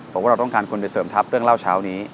ผมว่าเราต้องการคนไปเสริมทัพเรื่องเล่าเช้านี้